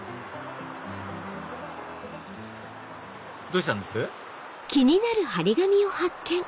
どうしたんです？